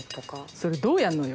それどうやんのよ？